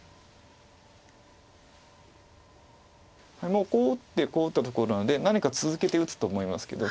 もうこう打ってこう打ったところなので何か続けて打つと思いますけど。